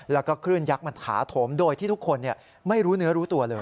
แล้วก็คลื่นยักษ์มันถาโถมโดยที่ทุกคนไม่รู้เนื้อรู้ตัวเลย